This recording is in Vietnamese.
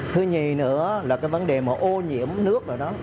thứ nhì nữa là cái vấn đề mà ô nhiễm nước nào đó